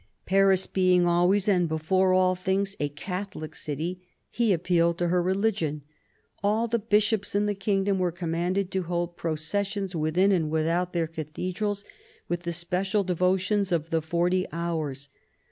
Paris being always and before all things a Catholic city, he appealed to her religion. All the bishops in the kingdom were commanded to hold pro cessions within and without their cathedrals, with the special devotions of the Forty Hours.